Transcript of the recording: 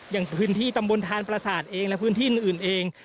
อย่างพื้นที่ตำบลทานประสาทเองและพื้นที่อื่นเอง